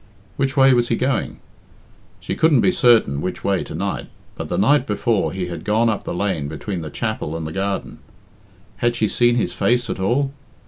Which way was he going? She couldn't be certain which way to night but the night before he had gone up the lane between the chapel and the garden. Had she seen his face at all?